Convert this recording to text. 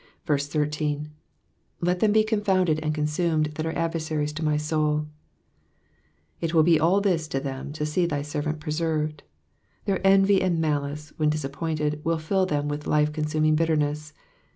13 *'^Let them he confounded and consumed that are adversaries to my sotd,^* It will be all this to them to see thy servant preserved ; their envy and malice, when disappomted, will fill them with life consuming bitterness.